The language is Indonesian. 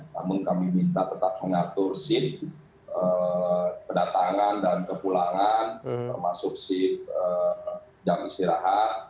namun kami minta tetap mengatur sip kedatangan dan kepulangan termasuk sip jam istirahat